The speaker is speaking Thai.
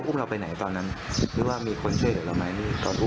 แล้วอุ้มเราไปไหนตอนนั้นหรือว่ามีคนเชื่อเดี๋ยวเราไหมนี่ตอนอุ้ม